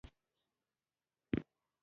امیر هغې سیمې ته خپل قوت متوجه کړ.